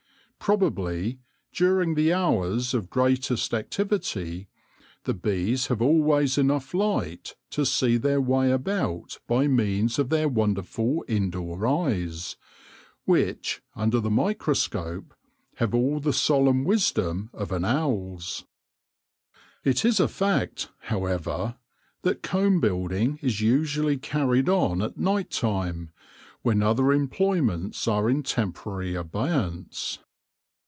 Probably, during the hours of greatest activity, the bees have always enough light to see their way about by means of their wonderful indoor eyes, which, under the microscope, have all the solemn wisdom of an owl's. It is a fact, however, that comb build ing is usually carried on at night time, when other employments are in temporary abeyance.